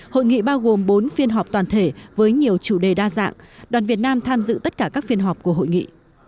hội nghị bao gồm bốn phiên họp toàn thể với nhiều chủ đề đa dạng đoàn việt nam tham dự tất cả các phiên họp của hội nghị